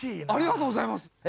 ありがとうございます。